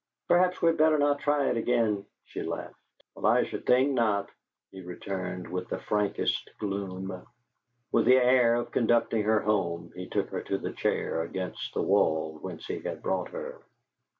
"Perhaps we had better not try it again," she laughed. "Well, I should think not," he returned, with the frankest gloom. With the air of conducting her home he took her to the chair against the wall whence he had brought her.